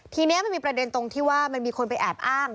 ทีนี้มันมีประเด็นตรงที่ว่ามันมีคนไปแอบอ้าง